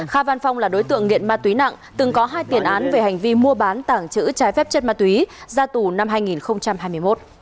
kha văn phong là đối tượng nghiện ma túy nặng từng có hai tiền án về hành vi mua bán tảng chữ trái phép chất ma túy ra tù năm hai nghìn hai mươi một